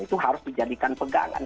itu harus dijadikan pegangan